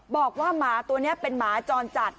บอกว่าหมาตัวนี้เป็นหมาจรจัด